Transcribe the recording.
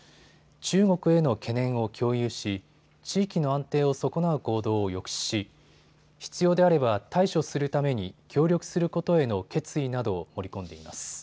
中国への懸念を共有し地域の安定を損なう行動を抑止し必要であれば対処するために協力することへの決意などを盛り込んでいます。